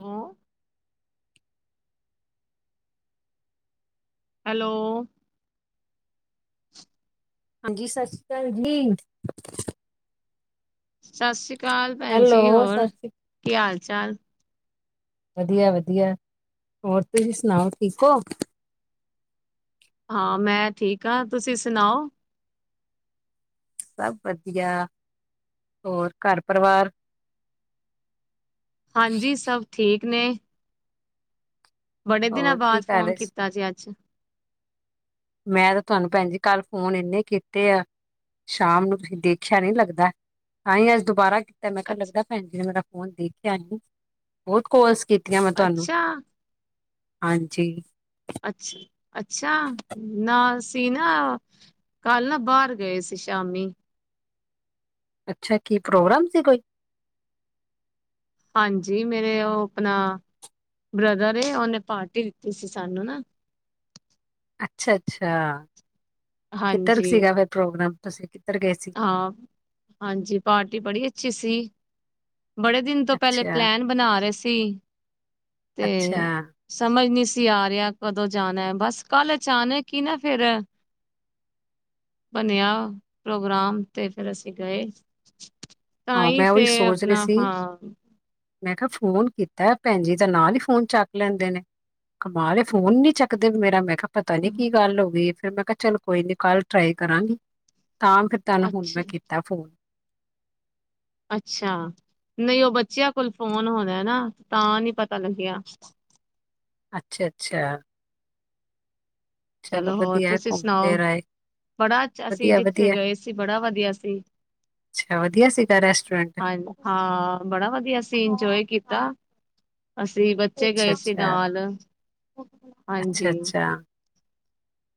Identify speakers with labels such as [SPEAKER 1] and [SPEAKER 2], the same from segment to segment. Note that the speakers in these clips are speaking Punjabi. [SPEAKER 1] ਹਮ ਹੈਲੋ
[SPEAKER 2] ਹਾਂਜੀ ਸਤਿ ਸ਼੍ਰੀ ਅਕਾਲ ਜੀ
[SPEAKER 1] ਸਤਿ ਸ਼੍ਰੀ ਸਤਾਲ ਭੈਣ ਜੀ
[SPEAKER 2] ਹੈਲੋ
[SPEAKER 1] ਹੋਰ
[SPEAKER 2] ਸਤਿ ਸ਼੍ਰੀ
[SPEAKER 1] ਕੀ ਹਾਲ [inaudible]
[SPEAKER 2] ਵਧੀਆ-ਵਧੀਆ ਹੋਰ ਤੁਸੀਂ ਸੁਣਾਓ ਠੀਕ ਹੋ
[SPEAKER 1] ਹਾਂ ਮੈਂ ਠੀਕ ਹਾਂ ਤੁਸੀਂ ਸੁਣਾਓ
[SPEAKER 2] ਸਭ ਵਧੀਆ ਹੋਰ ਘਰ ਪਰਿਵਾਰ
[SPEAKER 1] ਹਾਂਜੀ ਸਭ ਠੀ ਕ ਨੇ ਬੜੇ ਦਿਨਾਂ
[SPEAKER 2] ਹੋਰ ਕੀ
[SPEAKER 1] ਬਾਦ
[SPEAKER 2] ਕਰ
[SPEAKER 1] ਫੋਨ
[SPEAKER 2] ਰਹੇ ਸੀ
[SPEAKER 1] ਕੀਤਾ ਜੇ ਅੱਜ
[SPEAKER 2] ਮੈਂ ਤਾਂ ਤਹਾਨੂੰ ਭੈਣ ਜੀ ਕੱਲ ਫੋਨ ਇੰਨੇ ਕੀਤੇ ਆ ਸ਼ਾਮ ਨੂੰ ਤੁਸੀਂ ਦੇਖਿਆ ਨੀ ਲੱਗਦਾ ਆਈ ਅੱਜ ਦੁਬਾਰਾ ਤੇ ਮੈਂ ਕਾ
[SPEAKER 1] ਅੱਛ
[SPEAKER 2] ਲਗਾ ਭੈਣ ਜੀ ਮੇਰਾ ਫੋਨ ਦੇਖਿਆ ਨੀ ਬੋਤ ਕੋਲਸ ਕੀ
[SPEAKER 1] ਅੱਛਾ।
[SPEAKER 2] ਹਾਂਜੀ।
[SPEAKER 1] ਅੱਛਾ-ਅੱਛਾ ਨਾ ਸੀ ਨਾ ਕੱਲ ਨਾ ਬਾਰ ਗਏ ਸੀ ਸ਼ਾਮੀ
[SPEAKER 2] ਅੱਛਾ ਕੀ ਪ੍ਰੋਗਰਾਮ ਸੀ ਕੋਈ?
[SPEAKER 1] ਹਾਂਜੀ ਮੇਰੇ ਓ ਆਪਣਾ ਬ੍ਰਦਰ ਏ ਓਨੇ ਪਾਰਟੀ ਦਿੱਤੀ ਸੀ ਸਾਨੂੰ ਨਾ
[SPEAKER 2] ਅੱਛਾ-ਅੱਛਾ ਕਿੱਧਰ
[SPEAKER 1] ਹਾਂਜੀ
[SPEAKER 2] ਸੀਗਾ ਫੇਰ ਪ੍ਰੋਗਰਾਮ ਤੁਸੀ [unintelligible]
[SPEAKER 1] ਹਾਂ ਹਾਂਜੀ ਪਾਰਟੀ ਬੜੀ ਅੱਛੀ ਸੀ। ਬੜੇ ਦਿਨ ਤੋਂ ਪਹਿਲੇ
[SPEAKER 2] ਅੱਛਾ
[SPEAKER 1] ਪਲੈਨ ਬਣਾ ਰੇ ਸੀ ਤੇ
[SPEAKER 2] ਅੱਛਾ
[SPEAKER 1] ਸਮਝ ਨੀ [unintelligible] ਰਿਆ ਕਦੋਂ ਜਾਣਾ ਬਸ ਕੱਲ ਅਚਾਨਕ ਈ ਨਾ ਫੇਰ ਬਣਿਆ ਪ੍ਰੋਗਰਾਮ ਤੇ ਫਿਰ ਅਸੀਂ ਗਏ ਤਾਂ
[SPEAKER 2] ਹਾਂ
[SPEAKER 1] ਈ
[SPEAKER 2] ਮੈਂ ਉਹੀ
[SPEAKER 1] ਤੇ
[SPEAKER 2] ਸੋਚ ਰਹੀ
[SPEAKER 1] ਆਪਣਾ
[SPEAKER 2] ਸੀ
[SPEAKER 1] ਹਾਂ
[SPEAKER 2] ਮੈਂ ਕਾ ਫੋਨ ਕੀਤਾ ਭੈਣ ਜੀ ਤਾਂ ਨਾਲ ਈ ਫੋਨ ਚੱਕ ਲੈਂਦੇ ਨੇ ਕਮਾਲ ਏ ਫੋਨ ਨੀ ਚੱਕਦੇ ਮੇਰਾ ਮੈਂ ਕਾ ਪਤਾ ਨੀ ਕੀ ਗੱਲ ਹੋ ਗਈ ਫਿਰ ਮੈਂ ਕਾ ਚੱਲ ਕੋਈ ਨੀ ਕੱਲ ਟਰਾਈ ਕਰਾਂਗੀ। ਤਾਂ ਫਿਰ ਤੈਨੂੰ ਹੁਣ
[SPEAKER 1] ਅੱਛਾ
[SPEAKER 2] ਮੈਂ ਕੀਤਾ ਫੋਨ
[SPEAKER 1] ਅੱਛਾ ਨਈ ਓ ਬੱਚਿਆਂ ਕੋਲ ਫੋਨ ਹੋਣਾ ਨਾ ਤਾਂ ਨੀ ਪਤਾ ਲੱਗਿਆ।
[SPEAKER 2] ਅੱਛਾ-ਅੱਛਾ
[SPEAKER 1] ਚਲੋ ਹੋਰ
[SPEAKER 2] ਹੈ,
[SPEAKER 1] ਤੁਸੀਂ
[SPEAKER 2] ਘੁੰਮ
[SPEAKER 1] ਸੁਣਾਓ
[SPEAKER 2] ਫਿਰ ਆਏ
[SPEAKER 1] ਬੜਾ ਅਸੀਂ
[SPEAKER 2] ਵਧੀਆ
[SPEAKER 1] ਜਿੱਥੇ
[SPEAKER 2] ਵਧੀਆ
[SPEAKER 1] ਗਏ ਸੀ ਬੜਾ ਵਧੀਆ ਸੀ
[SPEAKER 2] ਅੱਛਾ ਵਧੀਆ ਸੀਗਾ ਰੈਸਟੋਰੈਂਟ
[SPEAKER 1] ਹਾਂਜ ਹਾਂ ਬੜਾ ਵਧੀਆ ਸੀ ਇੰਜੋਏ ਕੀਤਾ। ਅੱਛ ਸੀ ਬੱਚੇ
[SPEAKER 2] ਅੱਛਾ
[SPEAKER 1] ਗਏ ਸੀ
[SPEAKER 2] ਅੱਛਾ
[SPEAKER 1] ਨਾਲ ਹਾਂਜੀ।
[SPEAKER 2] ਅੱਛਾ ਅੱਛਾ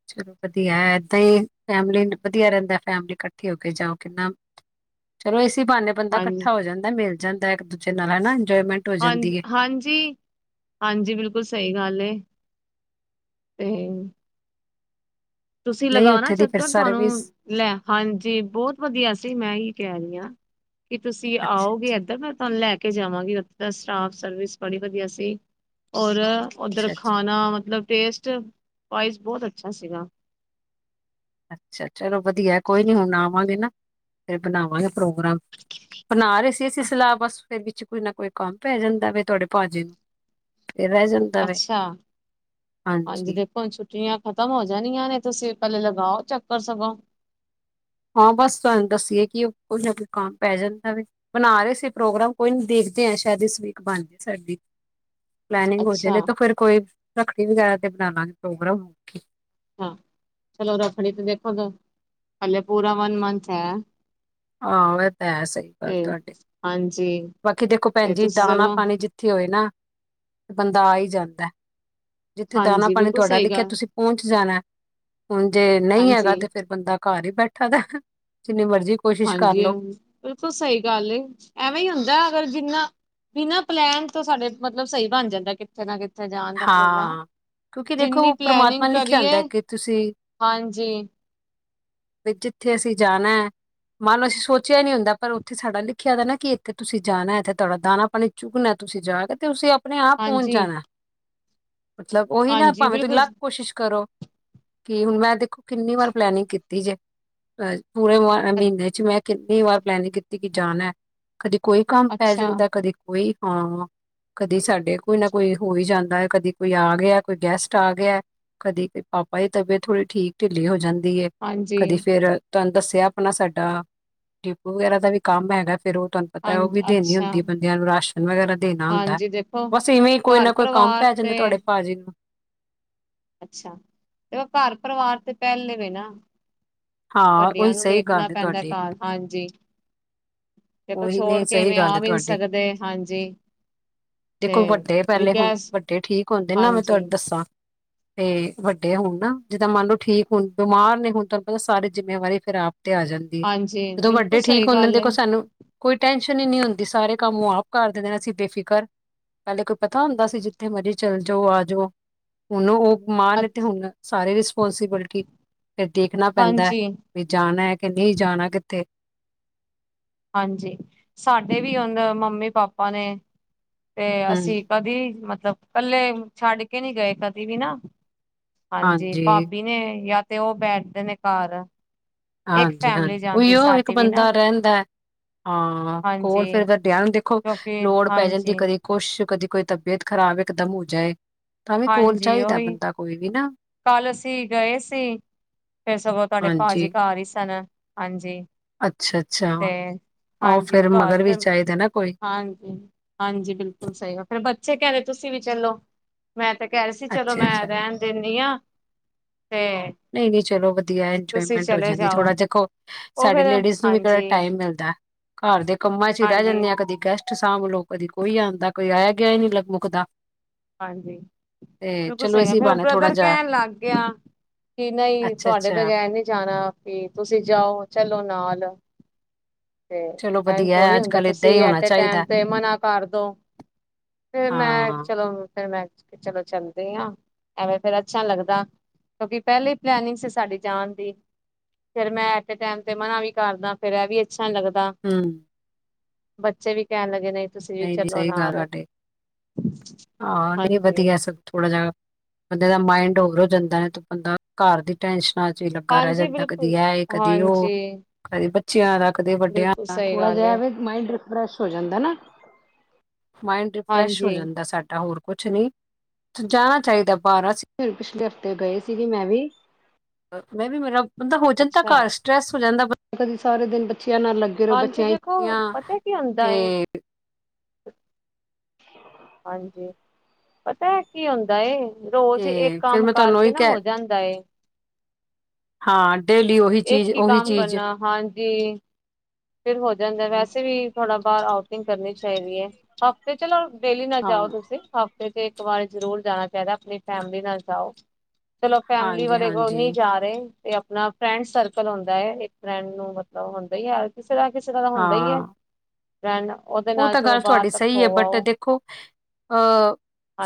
[SPEAKER 2] ਚਲੋ ਵਧੀਆ ਏਦਾਂ ਈ ਫੈਮਲੀ ਵਧੀਆ ਰੇਂਦਾ ਫੈਮਲੀ ਕੱਠੀ ਹੋ ਕੇ ਜਾਓ ਕਿੰਨਾ ਚਲੋ ਇਸ ਬਾਨੇ ਬੰਦਾ
[SPEAKER 1] ਹਾਂਜੀ
[SPEAKER 2] ਕੱਠਾ ਹੋ ਜਾਂਦਾ ਮਿਲ ਜਾਂਦਾ ਇੱਕ ਦੂਜੇ ਨਾਲ ਹਨਾ ਇੰਜੋਏਮੈਂਟ ਹੋ
[SPEAKER 1] ਹਾਂਜ
[SPEAKER 2] ਜਾਂਦੀ ਹੈ
[SPEAKER 1] ਹਾਂਜੀ ਹਾਂਜੀ ਬਿਲਕੁੱਲ ਸਈ ਗੱਲ ਏ ਤੇ ਤੁਸੀਂ
[SPEAKER 2] ਨਹੀਂ
[SPEAKER 1] ਲਗਾਨਾ
[SPEAKER 2] ਉੱਥੇ ਦੀ ਫਿਰ
[SPEAKER 1] ਚੱਕਰ ਤਹਾਨੂੰ
[SPEAKER 2] ਸਰਵਿਸ
[SPEAKER 1] ਲੈ ਹਾਂਜੀ ਬੋਤ ਵਧੀਆ ਸੀ ਮੈਂ ਹੀ ਕੈ ਰੀ ਆ ਕਿ ਤੁਸੀਂ
[SPEAKER 2] ਅੱਛਾ
[SPEAKER 1] ਆਓਗੇ ਇਏਧਾਂ ਮੈਂ ਤੁਹਾਨੂੰ ਲੈ ਕੇ ਜਾਵਾਂਗੀ ਉੱਥੇ ਦਾ ਸਟਾਫ ਸਰਵਿਸ ਬੜੀ ਵਧੀਆ ਸੀ ਔਰ ਉੱਧਰ
[SPEAKER 2] ਅੱਛਾ-ਅੱਛਾ,
[SPEAKER 1] ਖਾਣਾ ਮਤਲਬ ਟੇਸਟ ਵਾਈਜ਼ ਬਹੁਤ ਅੱਛਾ ਸੀਗਾ
[SPEAKER 2] ਅੱਛਾ ਚਲੋ ਵਧੀਆ ਕੋਈ ਨੀ ਹੁਣ ਆਵਾਂਗੇ ਨਾ ਇਹ ਬਣਾ ਵਾਂ ਪ੍ਰੋਗਰਾਮ ਬਣਾ ਰਹੇ ਸੀ ਅਸੀਂ ਸਲਾਹ ਬਸ ਫ ਵਿੱਚ ਕੋਈ ਨਾ ਕੋਈ ਕੰਮ ਪੈ ਜਾਂਦਾ ਵ ਤੁਹਾਡੇ ਭਾਜੇ ਨੂੰ ਤੇ ਰਹਿ ਜਾਂਦਾ ਵੇ।
[SPEAKER 1] ਅੱਛਾ ਹਾਂਜੀ ਦੇਖੋ ਛੁੱਟੀਆਂ ਖਤਮ ਹੋ ਜਾਣੀਆਂ ਨੇ ਤੁਸੀਂ ਪਲੇ ਲਗਾਓ ਚੱਕਰ ਸਗੋਂ
[SPEAKER 2] ਹਾਂ ਬਸ ਤੁਹਾਨੂੰ ਦੱਸੀਏ ਕਿ ਉਹ ਕੁਈ ਨਾ ਕੋਈ ਕੰਾਮ ਪੈ ਜਾਂਦਾ ਵ ਬਣਾ ਰਹੇ ਸੀ ਪ੍ਰੋਗਰਾਮ ਕੋਈ ਨੀ ਦੇਖਦੇ ਆ ਸ਼ਾਇਦ ਇਸਵੀਕ ਬਣ ਜਾਏ ਸਾਡੀ ਪਲਨਿੰਗ ਹੋ ਜਾ
[SPEAKER 1] ਅੱਛਾ
[SPEAKER 2] ਨੇ ਤਾਂ ਫਿਰ ਕੋਈ ਰੱਖੜੀ ਵਗੈਰਾ ਤੇ ਬਣਾਾਂਗੇ ਪ੍ਰੋਗਰਾਮ
[SPEAKER 1] ਹ ਚਲੋ ਰੱਖੜੀ ਤੇ ਦੇਖੋ ਹਲੇੇ ਪੂਰਾ ਵਨ ਮੰਥ ਹੈ
[SPEAKER 2] ਆਹੋ ਇਹ ਤਾਂ ਹੈ ਸਹੀ ਗੱਲ
[SPEAKER 1] ਤੇ
[SPEAKER 2] ਤੁਹਾਡੀ
[SPEAKER 1] ਹਾਂਜੀ
[SPEAKER 2] ਬਾਕੀ ਦੇਖੋ ਭੈਣ
[SPEAKER 1] ਤੇ
[SPEAKER 2] ਜੀ
[SPEAKER 1] ਤੁਸੀਂ
[SPEAKER 2] ਦਾਣਾ
[SPEAKER 1] ਸਗੋਂ
[SPEAKER 2] ਪਾਣੀ ਜਿੱਥੇ ਹੋਏ ਨਾ ਬੰਦਾ ਆ ਹੀ ਜਾਂਦਾ ਜਿੱਥੇ ਦਾਾਨ
[SPEAKER 1] ਹਾਂਜੀ
[SPEAKER 2] ਪਾਣੀ
[SPEAKER 1] ਬਿਲਕੁਲ
[SPEAKER 2] ਤੁਹਾਡਾ
[SPEAKER 1] ਸਹੀ
[SPEAKER 2] ਲਿਖਿਆ
[SPEAKER 1] ਗੱਲ
[SPEAKER 2] ਤੁਸੀਂ ਪਹੁੰਚ ਜਾਣਾ ਹੁਣ ਜੇ ਨਹੀਂ ਹੈਗਾ
[SPEAKER 1] ਹਾਂਜੀ
[SPEAKER 2] ਤੇ ਫਿਰ ਬੰਦਾ ਘਰ ਹੀ ਬੈਠਾ ਦਾ ਜਿਨਿ ਮਰਜੀ
[SPEAKER 1] ਹਾਂਜੀ ਬਿਲਕੁਲ ਸਹੀ ਗੱਲ ਐਵੇਂ ਹੀ ਹੁੰਦਾ ਅਗਰ ਬਿਨਾ ਬਿਨਾਂ ਪਲੈਨ ਤੋਂ ਸਾਡੇ ਮਤਲਬ ਸਹੀ ਬਣ ਜਾਂਦਾ ਕਿੱਥੇ ਨਾ ਕਿਥ
[SPEAKER 2] ਹਾਂ ਕਿਉਂਕਿ
[SPEAKER 1] ਜਿੰਨੀ
[SPEAKER 2] ਦੇਖੋ ਪਰਮਾਤਮਾ
[SPEAKER 1] ਪਲੈਨਿੰਗ
[SPEAKER 2] ਲਿਖਿਆ
[SPEAKER 1] ਕਰੀਏ
[SPEAKER 2] ਆਉਂਦਾ ਕਿ ਤੁਸੀਂ
[SPEAKER 1] ਹਾਂਜੀ
[SPEAKER 2] ਵੀ ਜਿੱਥੇ ਅਸੀਂ ਜਾਣਾ ਹੈ ਮੰਨ ਲਓ ਅਸੀਂ ਸੋਚਿਆ ਨੀ ਹੁੰਦਾ ਪਰ ਉੱਥੇ ਸਾਡਾ ਲਿਖਿਆ ਦਾ ਨਾ ਕਿ ਇੱਥੇ ਤੁਸੀਂ ਜਾਣਾ ਇੱਥੇ ਤੁਹਾਡਾ ਦਾਣਾ ਪਾਣੀ ਚੁੱਗਣਾ ਤੁਸੀਂ ਜਾ ਕੇ ਤੇਸੀਂ ਆਪ ਆਪਣੇ ਆਪ ਪਹੁੰਚ
[SPEAKER 1] ਹਾਂਜੀ
[SPEAKER 2] ਜਾਣਾ ਮਤਲਬ ਉਹੀ ਨਾ
[SPEAKER 1] ਹਾਂਜੀ
[SPEAKER 2] ਭਾਵੇਂ ਤੁਸੀਂ
[SPEAKER 1] ਬਿਲਕੁਲ
[SPEAKER 2] ਲੱਖ ਕੋਸ਼ਿਸ਼ ਕਰੋ ਕਿ ਹੁਣ ਮੈਂ ਦੇਖੋ ਕਿੰਨੀ ਵਾਰ ਪਲੈਨਿੰਗ ਕੀਤੀ ਜੇ ਪੂਰੇ ਮ
[SPEAKER 1] ਅ
[SPEAKER 2] ਮਹੀਨੇ ਚ ਮੈਂ ਕਿੰਨੀ ਵਾਰ ਪਲੈਨਿੰਗ ਕੀਤੀ ਕਿ ਜਾਣ ਹੈ ਕਦੇ ਕੋਈ ਕੰਮ ਪੈ
[SPEAKER 1] ਅੱਛਾ
[SPEAKER 2] ਜਾਂਦਾ ਕਦੇ ਕੋਈ ਹਾਂ ਕਦੇ ਸਾਡੇ ਕੋਈ ਨਾ ਕੋਈ ਹੋਈ ਜਾਂਦਾ ਹੈ ਕਦੀ ਕੋਈ ਆ ਗਿਆ ਕੋਈ ਗੈਸਟ ਆ ਗਿਆ ਕਦੀ ਕੋਈ ਪਾਪਾ ਦੀ ਤਬੀਅਤ ਥੋੜੀ ਠੀਕ ਢਿੱਲੀ ਹੋ ਜਾਂਦੀ
[SPEAKER 1] ਹਾਂਜੀ
[SPEAKER 2] ਕਦੀ ਫੇਰ ਤੁਹਾਨੂੰ ਦੱਸਿਆ ਆਪਣਾ ਸਾਡਾ ਟਿਪੂ ਵਗੈਰਾ ਦਾ ਵੀ ਕੰਮ ਹੈਗਾ ਫੇਰ ਉਹ ਤੁਹਾਨੂੰ
[SPEAKER 1] ਹਾਂ
[SPEAKER 2] ਪਤਾ ਉਹ ਵੀ ਦੇਣੀ
[SPEAKER 1] ਅੱਛਾ
[SPEAKER 2] ਹੁੰਦੀ ਹੈ ਬੰਦਿਆਂ ਨੂੰ ਰਾਸ਼ਨ ਵਗੈਰਾ ਦੇਣਾ ਹੁੰਦਾ
[SPEAKER 1] ਹਾਂਜੀ ਦੇਖੋ
[SPEAKER 2] ਬਸ ਇਵੇਂ ਹੀ ਕੋਈ
[SPEAKER 1] ਘਰ
[SPEAKER 2] ਨਾ ਕੋਈ ਕੰਮ
[SPEAKER 1] ਪਰਿਵਾਰ
[SPEAKER 2] ਪੈ ਜਾਂਦਾ
[SPEAKER 1] ਤੇ
[SPEAKER 2] ਤੁਹਾਡੇ ਪਾਜੀ ਨੂੰ
[SPEAKER 1] ਅੱਛਾ ਤੇ ਉਹ ਘਰ ਪਰਿਵਾਰ ਤੇ ਪਹਿਲੇ ਵੇ ਨਾ
[SPEAKER 2] ਹਾਂ
[SPEAKER 1] ਵੱਡੀਆਂ
[SPEAKER 2] ਉਹੀ
[SPEAKER 1] ਨੂੰ
[SPEAKER 2] ਸਹੀ
[SPEAKER 1] ਵੇਖਣਾ
[SPEAKER 2] ਗੱਲ ਹੈ
[SPEAKER 1] ਪੈਂਦਾ
[SPEAKER 2] ਤੁਹਾਡੀ
[SPEAKER 1] ਘਰ ਹਾਂਜੀ ਦੇਖੋ
[SPEAKER 2] ਉਹੀ
[SPEAKER 1] ਛੋੜ
[SPEAKER 2] ਨਹੀਂ ਸਹੀ
[SPEAKER 1] ਕਿਵੇਂ ਆ
[SPEAKER 2] ਗੱਲ
[SPEAKER 1] ਵੀ ਨੀ
[SPEAKER 2] ਤੁਹਾਡੀ
[SPEAKER 1] ਸਕਦੇ ਹਾਂਜੀ
[SPEAKER 2] ਦੇਖੋ ਵੱਡੇ
[SPEAKER 1] ਤੇ
[SPEAKER 2] ਪਹਿਲੇ ਹੁਣ
[SPEAKER 1] ਗੈਸ
[SPEAKER 2] ਵੱਡੇ ਠੀਕ ਹੁੰਦੇ ਨਾ ਮੈਂ
[SPEAKER 1] ਹਾਂਜੀ
[SPEAKER 2] ਤੁਹਾਨੂੰ ਦੱਸਾਂ ਤੇ ਵੱਡੇ ਹੋੁਣ ਨਾ ਜਿੱਦਾਂ ਮੰਨ ਲਓ ਠੀਕ ਹੁਣ ਬਿਮਾਰ ਨੇ ਹੁਣ ਤੁਹਾਨੂੰ ਪਤਾ ਸਾਰੀ ਜਿੰਮੇਵਾਰੀ ਫਿਰ ਆਪ ਤੇ ਆ ਜਾਂਦੀ
[SPEAKER 1] ਹਾਂਜੀ,
[SPEAKER 2] ਜਦੋਂ
[SPEAKER 1] ਬਿਲਕੁਲ
[SPEAKER 2] ਵੱਡੇ
[SPEAKER 1] ਸਹੀ
[SPEAKER 2] ਠੀਕ ਹੁੰਦੇ
[SPEAKER 1] ਗੱਲ ਏ,
[SPEAKER 2] ਦੇਖੋ ਸਾਨੂੰ ਕੋਈ ਟੈਨਸ਼ਨ ਹੀ ਨੀ ਹੁੰਦੀ ਸਾਰੇ ਕੰਮ ਉਹ ਆਪ ਕਰਦੇ ਦੇਣਾ ਸੀ ਬੇਫਿਕਰ ਪਹਿਲੇ ਕੋਈ ਪਤਾ ਹੁੰਦਾ ਸੀ ਜਿੱਥੇ ਮਰਜ਼ੀ ਚੱਲ ਜਾਓ ਆ ਜਾਓ ਹਨੂੰ ਉਹ ਮਾਨ ਤੇ ਹੁਣ ਸਾਰੇ ਪੋਂਸੀਬਿਲਟੀ ਫਿਰ ਦੇਖਣਾ ਪੈਂਦਾ
[SPEAKER 1] ਹਾਂਜੀ-ਹਾਂਜੀ।
[SPEAKER 2] ਵੀ ਜਾਣਾ ਹੈ ਕਿ ਨਹੀਂ ਜਾਣਾ ਕਿਤੇ
[SPEAKER 1] ਹਾਂਜੀ ਸਾਡੇ ਵੀ ਹਦਾ ਮੰਮੀ ਪਾਪਾ ਨੇ ਤੇ
[SPEAKER 2] ਹਮ
[SPEAKER 1] ਅਸੀਂ ਕਦੀ ਮਤਲਬ ਇਕੱਲੇ ਛੱਡ ਕੇ ਨਹੀਂੀ ਗਏ ਕਦੀ ਵੀ ਨਾ ਹਾਂਜੀ ਭਾਬੀ ਨੇ ਯ ਤੇ ਉਹ ਬੈਠਦੇ ਨੇ ਘਰ ਇੱਕ ਫੈਮਿਲੀ
[SPEAKER 2] ਹਾਂਜੀ-ਹਾਂਜੀ
[SPEAKER 1] ਜਾਂਦੀ
[SPEAKER 2] ਉਹੀਓ ਇੱਕ
[SPEAKER 1] ਸਾਡੀ ਵੀ ਨਾ
[SPEAKER 2] ਬੰਦਾ ਰਹਿੰਦਾ ਹਾਂ ਕੋਲ
[SPEAKER 1] ਹਾਂਜੀ,
[SPEAKER 2] ਫਿਰ ਵ ਡਿਆ ਨੂੰ ਦੇਖੋ
[SPEAKER 1] ਕਿਉਂਕਿ
[SPEAKER 2] ਲੋੜ ਪੈ ਜਾਂਦੀ
[SPEAKER 1] ਹਾਂਜੀ।
[SPEAKER 2] ਕਦੇ ਕੁਛ ਕਦੀ ਕੋਈ ਤਬੀਅਤ ਖਰਾਬ ਇਕ ਦਮ ਹੋ ਜਾਏ ਤਾਂ ਵੀ ਕੋਲ
[SPEAKER 1] ਹਾਂਜੀ,
[SPEAKER 2] ਚਾਹੀਦਾ
[SPEAKER 1] ਉਹੀ
[SPEAKER 2] ਬੰਦਾ ਕੋਈ ਵੀ ਨਾ
[SPEAKER 1] ਕੱਲ ਅਸੀ ਗਏ ਸੀ ਫਿਰ ਸਗੋਂ ਤੁਹਾਡੇ ਪਾਜੀ
[SPEAKER 2] ਹਾਂਜੀ
[SPEAKER 1] ਕਾਰ ਹੀ ਸਨ ਹਾਂਜੀ
[SPEAKER 2] ਅੱਛਾ ਅੱਛਾ
[SPEAKER 1] ਤੇ
[SPEAKER 2] ਉਹ
[SPEAKER 1] ਹਾਂਜੀ
[SPEAKER 2] ਫੇਰ
[SPEAKER 1] ਘਰ
[SPEAKER 2] ਮਗਰ ਵੀ
[SPEAKER 1] ਫਿਰ
[SPEAKER 2] ਚਾਹੀਦਾ ਨਾ ਕੋਈ
[SPEAKER 1] ਹਾਂਜੀ-ਹਾਂਜੀ ਬਿਲਕੁਲ ਸਹੀ ਆ ਫੇਿਰ ਬੱਚੇ ਕਹਿਦੇ ਤੁਸੀਂ ਵੀ ਚਲੋ ਮੈਂ ਤੇ ਕਹਿ ਰਹੇ ਸੀ ਚਲੋ
[SPEAKER 2] ਅੱਛਾ
[SPEAKER 1] ਮੈਂ ਰਹਿਣ ਦੇ ਹਾਂ
[SPEAKER 2] ਨਹੀਂ-ਨਹੀਂ ਚਲੋ ਵਧੀਆ
[SPEAKER 1] ਤੁਸੀਂ
[SPEAKER 2] ਇੰਜੋਏਮੈਂਟ ਹੋ
[SPEAKER 1] ਚਲੇ
[SPEAKER 2] ਜਾਂਦੀ
[SPEAKER 1] ਜਾਓ
[SPEAKER 2] ਥੋੜ੍ਹਾ ਦੇਖੋ
[SPEAKER 1] ਉਹ
[SPEAKER 2] ਸਾਡੇ
[SPEAKER 1] ਫੇਰ
[SPEAKER 2] ਲੇਡੀਜ਼ ਨੂੰ ਵੀ
[SPEAKER 1] ਹਾਂਜੀ
[SPEAKER 2] ਕਿਹੜਾ ਟਾਈਮ ਮਿਲਦਾ ਘਰ ਦੇ ਕਾਮਾ ਚੇ ਹੀ ਰੇ
[SPEAKER 1] ਹਾਂਜੀ
[SPEAKER 2] ਜਾਣਿਆ ਕਦੀ ਗੈਸਟ ੱਠ ਸਾਂਭ ਲ ਕਦੀ ਕੋਈ ਆਉਂਦਾ ਕੋਈ ਆਇਆ ਗਿਆ ਹੀ ਨਹੀਂ ਲਗ ਮੁਕਦਾ
[SPEAKER 1] ਹਾਂਜੀ ਬਿਲਕੁਲ ਸਹੀ ਹੈ
[SPEAKER 2] ਇਸੀ
[SPEAKER 1] ਫਿਰ ਉਹ
[SPEAKER 2] ਬਹਾਨੇ ਥੋੜਾ
[SPEAKER 1] ਬ੍ਰਦਰ
[SPEAKER 2] ਜਿਹਾ
[SPEAKER 1] ਕਹਿਣ ਲੱਗ ਗਿਆ ਕਿ ਨਹੀਂ
[SPEAKER 2] ਅੱਛਾ
[SPEAKER 1] ਤੁਹਾਡੇ
[SPEAKER 2] ਅੱਛਾ
[SPEAKER 1] ਬਗੈਰ ਨਹੀਂੀ ਜਾਣਾ ਵੀ ਤੁਸੀਂ ਜਾਓ ਚਲੋ ਨਾਲ ਹੈਲੋ ਤੇ
[SPEAKER 2] ਚਲੋ
[SPEAKER 1] ਐਜ
[SPEAKER 2] ਵਧੀਆ
[SPEAKER 1] ਥੋੜ੍ਹੀ
[SPEAKER 2] ਅੱਜ
[SPEAKER 1] ਹੁੰਦਾ
[SPEAKER 2] ਕੱਲ ਏਦਾਂ
[SPEAKER 1] ਤੁਸੀਂ
[SPEAKER 2] ਹੀ ਹੋਣਾ
[SPEAKER 1] ਐਟ ਟਮ
[SPEAKER 2] ਚਾਹੀਦਾ
[SPEAKER 1] ਤੇ ਮਨਾ ਕਰਦੋ ਫੇਰ ਮੈਂ
[SPEAKER 2] ਹਾਂ
[SPEAKER 1] ਚਲੋ ਫਿਰ ਮੈਂ ਚਲੋ ਚੱਲਦੀ ਹ ਐਵੇਂ ਫਰ ਅੱਛਾ ਲੱਗਦਾ ਕਿਉਂਕਿ ਪਹਿਲੇ ਪਲਨਿੰਗ ਸੀ ਸਾਡੀ ਜਾਣ ਦੀ ਫਿਰ ਮੈਂ ਐੇਟੇ ਟੈਮ ਤੇ ਮਨਾ ਵੀ ਕਰਦਾ ਫਿਰ ਇਹ ਵੀ ਅੱਛਾ ਲੱਗਦਾ
[SPEAKER 2] ਹਮ
[SPEAKER 1] ਬੱਚੇ ਵੀ ਕਹਿਣ ਲੱਗੇ ਨੇ ਤੁਸੀਂ ਵੀ
[SPEAKER 2] ਨਹੀਂ ਨਹੀਂ
[SPEAKER 1] ਚਲੋ
[SPEAKER 2] ਸਹੀ ਗੱਲ
[SPEAKER 1] ਨਾਲ
[SPEAKER 2] ਤੁਹਾਡੀ ਹਾਂ ਨਹੀਂ
[SPEAKER 1] ਹਾਂਜੀ
[SPEAKER 2] ਵਧੀਆ ਸਭ ਥੋੜਾ ਜਿ ਬੰਦੇ ਦਾ ਮਾਇੰਡ ਹੋਰ ਹੋ ਜਾਂਦਾ ਨੇ ਤੇ ਬੰਦਾ ਘਰ ਦੀ ਟੈਂਸ਼ਨ ਚ ਹੀ ਲੱਗਾ ਰਹਿ
[SPEAKER 1] ਹਾਂਜੀ
[SPEAKER 2] ਜਾਂਦਾ ਕਦੀ
[SPEAKER 1] ਬਿਲਕੁਲ
[SPEAKER 2] ਐਏ ਕਦੀ ਉਹ
[SPEAKER 1] ਹਾਂਜੀ
[SPEAKER 2] ਕਦੀ ਜ਼ਿਆਦਾ ਕਦੇ ਵੱਡਿਆ
[SPEAKER 1] ਬਿਲਕੁਲ ਸਹੀ
[SPEAKER 2] ਥੋੜਾ
[SPEAKER 1] ਗੱਲ
[SPEAKER 2] ਜਿਹਾ
[SPEAKER 1] ਹੈ
[SPEAKER 2] ਮੰਇਡ ਬਰਸ਼ ਹੋ ਜਾਂਦਾ ਨਾ ਮਾਇੰਡ ਰਿਫਰੈਸ਼ ਹੋ
[SPEAKER 1] ਹਾਂਜੀ
[SPEAKER 2] ਜਾਂਦਾ ਸਾਡਾ ਹੋਰ ਕੁਛ ਨੀ ਜਾਣਾ ਚਾਹੀਦਾ ਬਾਰਾਂ ਸੀ, ਪਿਛਲੇ ਹਫ਼ਤੇ ਗਏ ਸੀਗੇ ''ਮੈਂ ਵੀ 'ਮੈਂ ਵੀ ਮੇਰਾ ਬੰਦਾ ਹੋ ਜਾਂਦਾ।
[SPEAKER 1] ਅੱਛਾ
[SPEAKER 2] ਘਰ ਸਟ੍ਰੈਸ ਹੋ ਜਾਂਦਾ। ਕਦੀ ਸਾਰੇ ਦਿਨ ''ਬੱਚਿਆਂ ਨਾਲ ਲੱਗੇ ਰਹੋ,
[SPEAKER 1] ਹਾਂਜੀ ਦੇਖੋ
[SPEAKER 2] ਬੱਚਿਆਂ
[SPEAKER 1] ਪਤਾ ਕੀ ਹੁੰਦਾ
[SPEAKER 2] ਤੇ
[SPEAKER 1] ਏ ਹਾਂਜੀ। ਪਤਾ ਹੈ, ਕੀ ਹੁੰਦਾ 'ਰੋਜ਼ ਇੱਕ
[SPEAKER 2] ਤੇ ਫਿਰ
[SPEAKER 1] ''ਕੰਮ
[SPEAKER 2] ਮੈਂ ਤੁਹਾਨੂੰ
[SPEAKER 1] ਕਰਕੇ
[SPEAKER 2] ਉਹੀ
[SPEAKER 1] ਨਾ,
[SPEAKER 2] ਕਹਿ
[SPEAKER 1] ਹੋ ਜਾਂਦਾ ਏ।
[SPEAKER 2] ਹਾਂ। ਡੇਲੀ ਉਹੀ
[SPEAKER 1] ਇੱਕ
[SPEAKER 2] ਚੀਜ਼
[SPEAKER 1] ਹੀ
[SPEAKER 2] ਉਹੀ
[SPEAKER 1] ਕੰਮ
[SPEAKER 2] ਚੀਜ਼
[SPEAKER 1] ਕਰਨਾ, ਹਾਂਜੀ। ਫਿਰ ਹੋ ਜਾਂਦਾ ਵੈਸੇ ਵੀ, ਥੋੜਾ ਬਾਹਰ ''ਆਊਟਿੰਗ ਕਰਨੀ ਚਾਹੀਦੀ ਹੈ। ਹਫ਼ਤੇ ਚਲੋ ਡੇਲੀ ਨਾ
[SPEAKER 2] ਹਾਂ
[SPEAKER 1] ਜਾਓ, ਤੁਸੀਂ ਹਫਤੇ ਇੱਕ ਵਾਰ ਜ਼ਰੂਰ ਜਾਣਾ ਚਾਹੀਦਾ, ਆਪਣੀ ''ਫੈਮਲੀ ਨਾਲ ਜਾਓ। ਚਲੋ, ''ਫੈਮਿਲੀ ਵਾਲੇ ਕੋ
[SPEAKER 2] ਹਾਂਜੀ-ਹਾਂਜੀ
[SPEAKER 1] ਨਹੀਂ ਜਾ ਰਹੇ ਤੇ, ਆਪਣਾ ''ਫਰੈਂਡ ਸਰਕਲ ਹੁੰਦਾ ਏ, ਇੱਕ ਫਰੈਂਡ ਨੂੰ ਮਤਲਬ ਹੁੰਦਾ ਹੀ ਹੈ, ਹਰ ਕਿਸ ਕਿਸੇ ਤਰ੍ਹਾਂ, 'ਕਿਸੇ ਤਰ੍ਹਾਂ ਹੁੰਦਾ ਹੀ
[SPEAKER 2] ਹਾਂ
[SPEAKER 1] ਹੈ। ਫਰੈਂਡ ਉਹਦੇ
[SPEAKER 2] ''ਉਹ
[SPEAKER 1] ਨਾਲ
[SPEAKER 2] ਤਾਂ
[SPEAKER 1] ਚਲੋ
[SPEAKER 2] ਗੱਲ
[SPEAKER 1] ਬਾਹਰ
[SPEAKER 2] ਤੁਹਾਡੀ
[SPEAKER 1] ਤੱਕ
[SPEAKER 2] ਸਹੀ ਹੈ,
[SPEAKER 1] ਹੋ
[SPEAKER 2] ਬਟ
[SPEAKER 1] ਆਓ
[SPEAKER 2] ਦੇਖੋ ਅ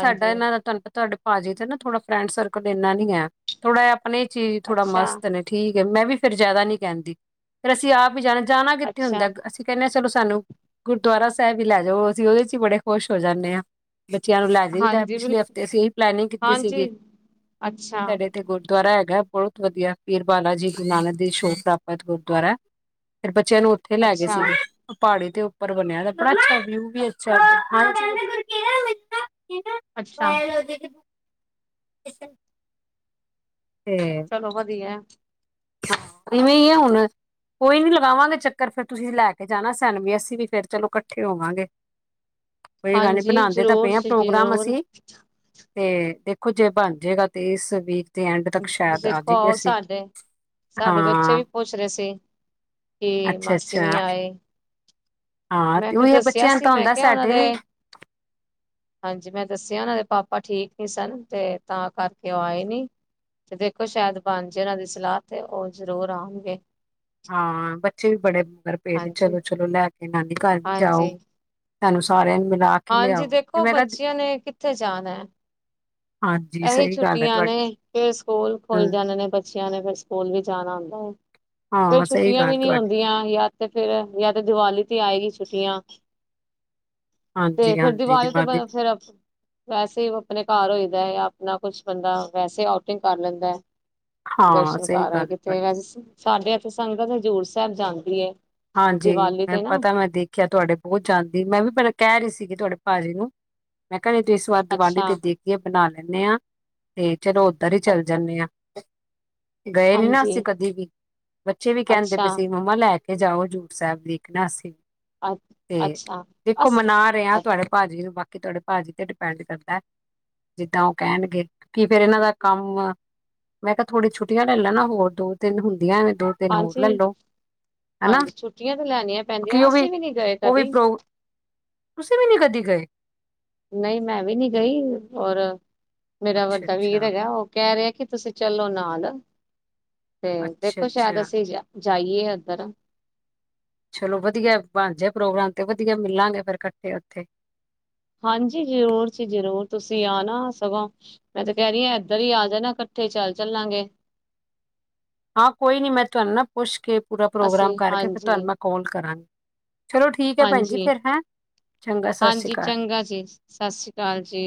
[SPEAKER 2] ਸਾਡਾ ਇਹਨਾਂ ਦਾ ਤੁਹਾਨੂੰ ਤੁਹਾਡੇ ਭਾਜੀ ਤੇ ਨਾ, ਥੋੜਾ ਫਰੈਂਡ ਸਰਕਲ ਇੰਨਾ ਨੀ ਹੈ, ਥੋੜਾ ਆਪਣੇ'ਚ ਹੀ ਥੋੜਾ
[SPEAKER 1] ਅੱਛਾ
[SPEAKER 2] ਮਸਤ ਨੇ ਠੀਕ ਹੈ, ''ਮੈਂ ਵੀ ਫਿਰ ਜ਼ਿਆਦਾ ਨੀ ਕਹਿੰਦੀ ਫਿਰ, ਅਸੀਂ ਆਪ ਹੀ ਜਾਣਾ ਜਾਣਾ ਕਿੱਥੇ
[SPEAKER 1] ਅੱਛਾ
[SPEAKER 2] ਹੁੰਦਾ, ਅਸੀਂ ਕਹਿਨੇ ਆ ਚਲੋ, ਸਾਨੂੰ ਗੁਰਦੁਆਰਾ ਸਾਹਿਬ ਹੀ ਲੈ ਜਾਓ। ਅਸੀਂ ਉਹਦੇ'ਕਿਚ ਹੀ ਬੜੇ ਖੁਸ਼ ਹੋ ਜਾਂਨੇ ਹਾਂ। ਬੱਚਿਆਂ ਨੂੰ ਲੈ ਜਾਈਦਾ,
[SPEAKER 1] ਹਾਂਜੀ
[SPEAKER 2] ਪਿਛਲੇ
[SPEAKER 1] ਬਿਲਕੁਲ
[SPEAKER 2] ਹਫ਼ਤੇ ਅਸੀਂ ਇਹੀ ਪਲੈਨਿੰਗ ਕੀਤੀ ਸੀਗੀ।
[SPEAKER 1] ਹਾਂਜੀ ਅੱਛਾ
[SPEAKER 2] ਸਾਡੇ ਇੱਥੇ 'ਗੁਰਦੁਆਰਾ ਹੈਗਾ ਹੈ। ਬਹੁਤ ਵਧੀਆ। ਪੀਰ ਬਾਲਾ ਜੀ, ਗੁਰੂ ਨਾਨਕ ਦੇ- ਛੋਟ ਪ੍ਰਾਪਤ ਗੁਰਦੁਆਰਾ ਫਿਰ ਬੱਚਿਆਂ ਨੂੰ, ਉੱਥੇ ਲੈ ਗਏ
[SPEAKER 1] ਅੱਛਾ
[SPEAKER 2] ਸੀ। ਪਹਾੜੀ ਤੇ ਉਹ ਉੱਪਰ ਬਣਿਆ ਹੋਇਆ, ਬੜਾ ਅੱਛਾ, ਵਿਊ ਵੀ ਅੱਛਾ। ਇਹ ਨਾ
[SPEAKER 1] ਅੱਛਾ
[SPEAKER 2] ਵਾਈਲੋਜੀਕਲੀ। ਇਸ
[SPEAKER 1] ਚਲੋ ਵਧੀਆ ਹੈ।
[SPEAKER 2] ''ਇਵੇਂ ਆ ਹੁਣ ਕੋਈ ਨੀ, ਲਗਾਵਾਂਗੇ ਚੱਕਰ ਫੇਰ, ਤੁਸੀਂ ਲੈਕੇ ਜਾਣਾ, ਸਾਨੂੰ ਵੀ ਅਸੀਂ ਵੀ ਫੇਰ ਚਲੋ ਇਕੱਠੇ ਹੋਵਾਂਗੇ। ਕੋਈ ਗੱਲ ਨੀ
[SPEAKER 1] ਹਾਂਜੀ,
[SPEAKER 2] ਬਣਾਉਂਦੇ ਤਾਂ
[SPEAKER 1] ਜ਼ਰੂਰ
[SPEAKER 2] ਪਏ ਆ
[SPEAKER 1] ਸੀ ਜੀ
[SPEAKER 2] ਪ੍ਰੋਗਰਾਮ
[SPEAKER 1] ਜ਼ਰੂਰ।
[SPEAKER 2] ਅਸੀਂ ਤੇ, ਦੇਖੋ ਜੇ ਬਣ ਜਾਏਗਾ ਤੇ ਇਸ ਵੀਕ। ਦੇ ਐਂਡ ਤੱਕ ਸ਼ਾਇਦ ਆ
[SPEAKER 1] ਦੇਖੋ,
[SPEAKER 2] ਜਾਈਏ
[SPEAKER 1] ਆਉ
[SPEAKER 2] ਅਸੀਂ
[SPEAKER 1] ਸਾਡੇ। ਸਾਡੇ ਬੱਚੇ
[SPEAKER 2] ਹਾਂ
[SPEAKER 1] ਵੀ ਪੁੱਛ ਰਹੇ ਸੀ ਕਿ
[SPEAKER 2] ਅੱਛਾ
[SPEAKER 1] ਮਾਸੀ
[SPEAKER 2] ਅੱਛਾ
[SPEAKER 1] ਨੀ ਆਏ।
[SPEAKER 2] ਹਾਂ
[SPEAKER 1] ਮੈਂ
[SPEAKER 2] ਤੇ
[SPEAKER 1] ਫੇਰ
[SPEAKER 2] ਉਹੀ
[SPEAKER 1] ਦੱਸਿਆ
[SPEAKER 2] ਬੱਚਿਆਂ ਨੂੰ
[SPEAKER 1] ਸੀ,
[SPEAKER 2] ਤਾਂ
[SPEAKER 1] ਮੈਂ
[SPEAKER 2] ਹੁੰਦਾ
[SPEAKER 1] ਕਿਹਾ ਉਹਨਾਂ
[SPEAKER 2] ਸਾਡੇ ਵੀ
[SPEAKER 1] ਦੇ, ਹਾਂਜੀ, ਮੈਂ ਦੱਸਿਆ ਉਹਨਾਂ ਦੇ- ਪਾਪਾ ਠੀਕ ਨੀ ਸਨ। ਤੇ, ਤਾਂ ਕਰਕੇ ਉਹ ਆਏ ਨੀ? ਤੇ ਦੇਖੋ ਸ਼ਾਇਦ ਬਣ ਜੇ ਉਹਨਾਂ ਦੀ ਸਲਾਹ, ਤੇ ਉਹ ਜ਼ਰੂਰ ਆਉਣਗੇ।
[SPEAKER 2] ਫੇਰ ਵੀ
[SPEAKER 1] ਹਾਂਜੀ
[SPEAKER 2] ਚਲੋ- ਚਲੋ ਲੈ। ਤੇ, ਨਾਨੀ ਘਰ
[SPEAKER 1] ਹਾਂਜੀ
[SPEAKER 2] ਜਾਓ। ਸਾਨੂੰ ਸਾਰਿਆਂ ਨੂੰ ਮਿਲਾ ਕੇ
[SPEAKER 1] ਹਾਂਜੀ
[SPEAKER 2] ਲਿਆਓ ਤੇ
[SPEAKER 1] ਦੇਖੋ
[SPEAKER 2] ਮੈਂ ਕਿਹਾ
[SPEAKER 1] ਬੱਚਿਆਂ ਨੇ ਕਿੱਥੇ ਜਾਣਾ ਹੈ।
[SPEAKER 2] ਹਾਂਜੀ
[SPEAKER 1] ਇਹੀ
[SPEAKER 2] ਸਹੀ ਗੱਲ ਹੈ
[SPEAKER 1] ਛੁੱਟੀਆਂ ਨੇ,
[SPEAKER 2] ਤੁਹਾਡੀ
[SPEAKER 1] ਫੇਰ ਸਕੂਲ ਖੁੱਲ
[SPEAKER 2] ਹਮ
[SPEAKER 1] ਜਾਦੇ ਨੇ ਬੱਚਿਆਂ ਨੇ ਫੇਰ, ਸਕੂਲ ਵੀ ਜਾਣਾ ਹੁੰਦਾ ਹੈ? ਫੇਰ
[SPEAKER 2] ਹਾਂ ਸਹੀ
[SPEAKER 1] ਛੁੱਟੀਆਂ ਵੀ
[SPEAKER 2] ਗੱਲ
[SPEAKER 1] ਨੀ
[SPEAKER 2] ਤੁਹਾਡੀ
[SPEAKER 1] ਹੁੰਦੀਆਂ ਯਾਰ। ਤੇ ਫੇਰ, ਯਾ ਤੇ ਦੀਵਾਲੀ ਤੇ ਆਏਗੀ ਛੁੱਟੀਆਂ। ਤੇ
[SPEAKER 2] ਹਾਂਜੀ
[SPEAKER 1] ਫੇਰ
[SPEAKER 2] ਹਾਂਜੀ
[SPEAKER 1] ਦੀਵਾਲੀ ਤੇ
[SPEAKER 2] ਦੀ
[SPEAKER 1] ਫੇਰ ਵੈਸੇ। ਆਪਣੇ ਘਰ ਹੋਈਦਾ। ਜਾਂ ਆਪਣਾ ਕੁਛ ਬੰਦਾ ਵੈਸੇ, ਆਊਟਿੰਗ ਕਰ ਲੈਂਦਾ ਹੈ।
[SPEAKER 2] ਹਾਂ
[SPEAKER 1] ਦਰਸ਼ਨ
[SPEAKER 2] ਸਹੀ
[SPEAKER 1] ਕਰ ਰਹੇ ਆ
[SPEAKER 2] ਗੱਲ ਹੈ
[SPEAKER 1] ਕਿੱਥੇ? [unintelligible]
[SPEAKER 2] ਤੁਹਾਡੀ
[SPEAKER 1] ਕਹਿੰਦੀ ਸਾਡੇ ਇੱਥੇ। ਤੇ, ਸੰਗਤ ਹਜ਼ੂਰ ਸਾਹਿਬ ਜਾਂਦੀ ਹੈ।
[SPEAKER 2] ਹਾਂਜੀ, ਮੈਂ ਪਤਾ, ਮੈਂ ਦੇਖਿਆ ਤੁਹਾਡੇ ਬਹੁਤ ਜਾਂਦੀ ਮੈਂ ਵੀ ਪਹਿਲਾਂ ਕਹਿ ਰਹੀ ਸੀਗੀ ਤੁਹਾਡੇ ਭਾਜੀ ਨੂੰ, ਮੈਂ। ਘਰੇ ਤੇ, ਇਸ ਵਾਰ ਦੀਵਾਲੀ
[SPEAKER 1] ਅੱਛਾ
[SPEAKER 2] ਤੇ ਦੇਖ ਦੇ, ਬਣਾ ਲੈਂਦੇ ਹਾਂ। ਠੀਕ। ਚਲੋ ਉੱਧਰ ਹੀ ਚੱਲ ਜਾਣੇ ਆਂ। ਛਾ। ਗਏ ਨੀ ਨਾ ਅਸੀਂ
[SPEAKER 1] ਹਾਂਜੀ
[SPEAKER 2] ਕਦੀ ਵੀ, ਬੱਚੇ ਵੀ ਕਹਿੰਦੇ
[SPEAKER 1] ਅੱਛਾ
[SPEAKER 2] ਪਏ ਸੀ ਮੰਮਾ ਲੈ ਲੈ ਕੈ ਜਾਯੋ, ਹਜੂਰ ਸਹਿਬ ਵੇਖਣਾ ਅਸੀ।
[SPEAKER 1] ਅ
[SPEAKER 2] ਤੇ
[SPEAKER 1] ਅੱਛਾ
[SPEAKER 2] ਦੇਖੋ
[SPEAKER 1] ਅਸ
[SPEAKER 2] ਮਨਾ ਰਹੇ ਹਾ, ਤੁਹਾਡੇ ਭਾਜੀ ਨੂੰ ਬਾਕੀ ਕਿ ਤੁਹਾਡੇ ਭਾਜੀ ਤੇ ਡਿਪੈਂਡ ਕਰਦਾ, ਜਿੱਦਾਂ ਉਹ ਕਹਿਣਗੇ ਕੀ ਫੇਰ ਇਹਨਾਂ ਦਾ ਕੰਮ, ਮੈਂ ਕਿਹਾ ਥੋੜੀਆਂ ਛੁੱਟੀਆਂ ਲੈ ਲੈਣਾ ਹੋਰ ਦੋ, ਤਿੰਨ ਹੁੰਦੀਆਂ ਦੋ, ਤਿੰਨ ਹੋਰ ਲੈ
[SPEAKER 1] ਹਾਂਜੀ
[SPEAKER 2] ਲੋ। ਹਨਾ
[SPEAKER 1] ਹਾਂਜੀ, ਛੁੱਟੀਆਂ ਤੇ ਲੈਣੀਆਂ
[SPEAKER 2] ਕਿਉਂਕਿ
[SPEAKER 1] ਪੈਂਦੀਆਂ
[SPEAKER 2] ਉਹ
[SPEAKER 1] ਅਸੀਂ ਵੀ ਨਹੀਂ ਗਏ
[SPEAKER 2] ਉਹ ਵੀ
[SPEAKER 1] ਕਦੀ।
[SPEAKER 2] ਪ੍ਰੋ ਤੁਸੀਂ ਵੀ ਨੀ ਗਏ।
[SPEAKER 1] ਨਹੀਂ, ਮੈਂ ਵੀ ਨਹੀਂ ਗਈ, ਔਰ ਮੇਰਾ
[SPEAKER 2] ਅੱਛਾ
[SPEAKER 1] ਵੱਡਾ ਵੀਰ
[SPEAKER 2] ਅੱਛਾ
[SPEAKER 1] ਹੈਗਾ। ਉਹ ਕਹਿ ਤੇ ਕਿ, ਤੁਸੀਂ ਚੱਲੋ ਨਾਲ। ਤੇ,
[SPEAKER 2] ਅੱਛਾ
[SPEAKER 1] ਦੇਖੋ ਸ਼ਾਇਦ
[SPEAKER 2] ਅੱਛਾ
[SPEAKER 1] ਅਸੀਂ ਜਾ ਜਾਈਏ ਉੱਧਰ।
[SPEAKER 2] ਚਲੋ ਵਧੀਆ ਬਣ ਜਾਏ ਪ੍ਰੋਗਰਾਮ ਤੇ ਵਧੀਆ ਮਿਲਾਂਗੇ ਫੇਰ ਇਕੱਠੇ ਉੱਥੇ
[SPEAKER 1] ਹਾਂਜੀ ਜ਼ਰੂਰ ਜ ਜ਼ਰੂਰ ਤੁਸੀਂ ਆ ਨਾ ਸਗੋਂ ਮੈਂ ਤੇ ਕਹਿ ਰਹੀ ਹਾਂ ਇਧਰ ਹੀ ਆ ਜਾਣਾ ਇਕੱਠੇ ਚੱਲ ਚੱਲਾਂਗੇ
[SPEAKER 2] ਹਾਂ ਕੋਈ ਨੀ ਮੈਂ ਤੁਹਾਨੂੰ ਨਾ ਪੁੱਛ ਕੇ ਪੂਰਾ ਪ੍ਰੋਗਰਾਮ
[SPEAKER 1] ਅਸੀਂ
[SPEAKER 2] ਕਰਕੇ ਫਿਰ ਤੁਹਾਨੂੰ ਮੈਂ ਕਾਲ ਕਰਾਂਗੀ ਚਲੋ ਠੀਕ ਹੈ ਭੈਣ ਜੀ ਫੇਰ ਹੈਂ ਚੰਗਾ ਸਤਿ ਸ਼੍ਰੀ
[SPEAKER 1] ਹਾਂਜੀ-ਹਾਂਜੀ
[SPEAKER 2] ਅਕਾਲ
[SPEAKER 1] ਚੰਗਾ ਜੀ ਸਤਿ ਸ੍ਰੀ ਅਕਾਲ ਜੀ।